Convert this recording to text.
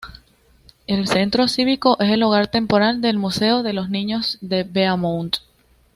El Centro Cívico es el hogar temporal de Museo de los Niños de Beaumont.